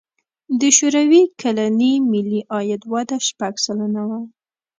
د شوروي کلني ملي عاید وده شپږ سلنه وه.